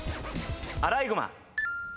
アライグマ。